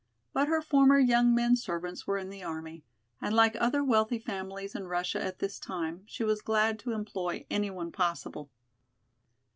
But her former young men servants were in the army, and like other wealthy families in Russia at this time, she was glad to employ any one possible.